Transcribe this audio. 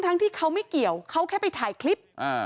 ที่เขาไม่เกี่ยวเขาแค่ไปถ่ายคลิป